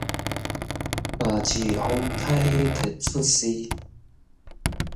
夏至風颱就出世